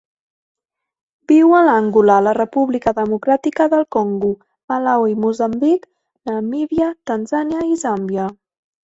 Viu a Angola, la República Democràtica del Congo, Malawi, Moçambic, Namíbia, Tanzània i Zàmbia.